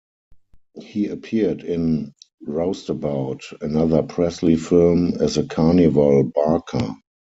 He appeared in "Roustabout", another Presley film, as a carnival barker.